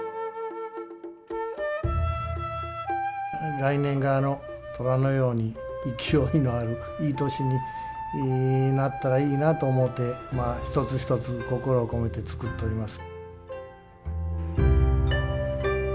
来年が虎のように勢のあるいい年になったらいいなと思って１つ１つ心を込めて作っております。